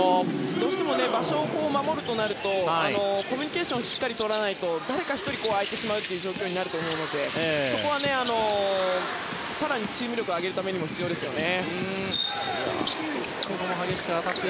どうしても場所を守るとなるとコミュニケーションをしっかりしないと誰か１人空いてしまうのでそこは更にチーム力を上げるためにも必要ですね。